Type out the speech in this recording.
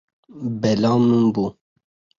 Bela min bû.